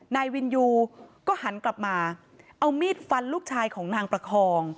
นายวินยูก็หันกลับมาเอามีดฟันลูกชายของนางประคอง